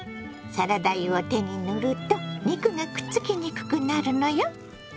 サラダ油を手に塗ると肉がくっつきにくくなるのよ。